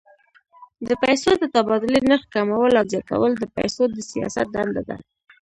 د پیسو د تبادلې نرخ کمول او زیاتول د پیسو د سیاست دنده ده.